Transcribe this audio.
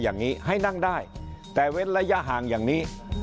อย่างนี้ให้นั่งได้แต่เว้นระยะห่างอย่างนี้